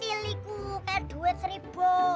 lalu kita berduet seribu